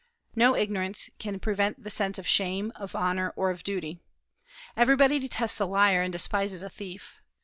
No ignorance can prevent the sense of shame, of honor, or of duty. Everybody detests a liar and despises a thief.